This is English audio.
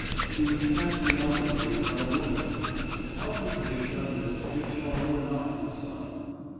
He was casting obloquy on a woman. How could he have done this if Jean were not his son?